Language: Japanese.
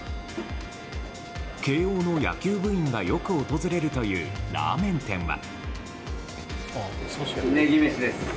慶應の野球部員がよく訪れるというラーメン店は。